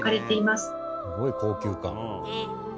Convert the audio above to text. すごい高級感。